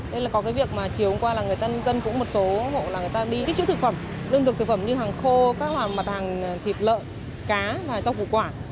nên là có cái việc mà chiều hôm qua là người dân cũng một số hộ là người ta đi tích chữ thực phẩm lương thực thực phẩm như hàng khô các mặt hàng thịt lợn cá và rau củ quả